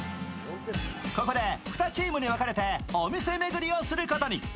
ここで２チームに分かれてお店巡りをすることに。